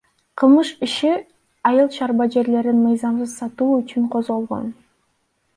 Кылмыш иши айыл чарба жерлерин мыйзамсыз сатуу үчүн козголгон